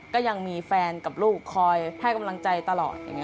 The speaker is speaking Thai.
ก็ยังมีแฟนกับลูกคอยให้กำลังใจตลอดอย่างนี้ค่ะ